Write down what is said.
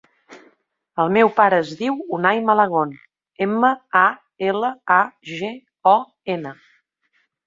El meu pare es diu Unay Malagon: ema, a, ela, a, ge, o, ena.